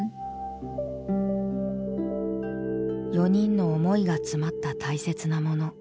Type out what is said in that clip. ４人の思いが詰まった大切なもの。